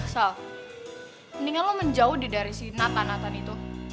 sal mendingan lo menjauh dari si nathan nathan itu